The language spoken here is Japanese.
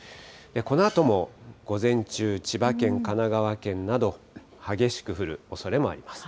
このあとも午前中、千葉県、神奈川県など激しく降るおそれもあります。